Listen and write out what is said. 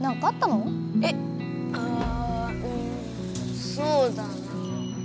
えあうんそうだなぁ。